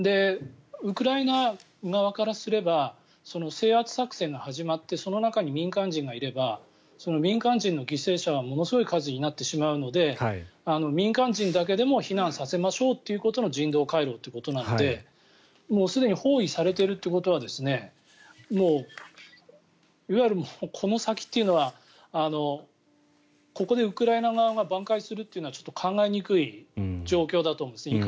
ウクライナ側からすれば制圧作戦が始まってその中に民間人がいれば民間人の犠牲者はものすごい数になってしまうので民間人だけでも避難させましょうということの人道回廊っていうことなのでもうすでに包囲されているということはいわゆるこの先というのはここでウクライナ側がばん回するのはちょっと考えにくい状況だと思うんです。